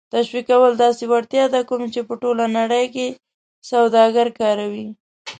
تشویقول داسې وړتیا ده کوم چې په ټوله نړۍ کې سوداگر کاروي